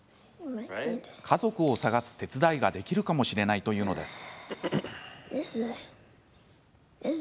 家族を捜す手伝いができるかもしれないというのです。